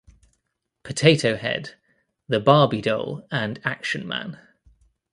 Potato Head, the Barbie doll and Action Man.